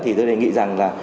thì tôi đề nghị rằng là